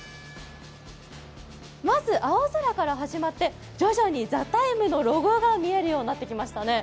まず青空から始まって、徐々に「ＴＨＥＴＩＭＥ，」のロゴが見えるようになってきましたね。